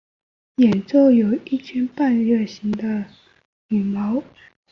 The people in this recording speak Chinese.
眼周有一圈半月形的亮灰色羽毛。